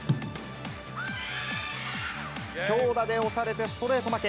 強打で押されてストレート負け。